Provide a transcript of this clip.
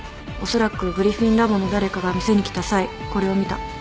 おそらくグリフィン・ラボの誰かが店に来た際これを見た。